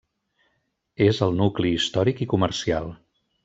És el nucli històric i comercial.